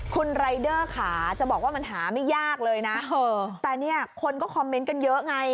คุณรายเดอร์ขาจะบอกว่ามันหาไม่ยากเลยนะแต่เนี่ยคนก็คอมเมนต์กันเยอะไง